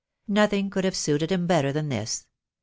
Nothing could have suited him better than this.